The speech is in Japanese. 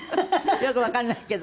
よくわかんないけど。